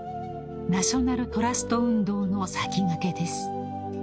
ナショナルトラスト運動の先駆けです］